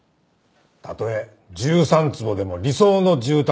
たとえ１３坪でも理想の住宅は。